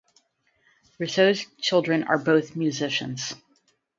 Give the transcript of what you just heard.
Roussos' children are both musicians.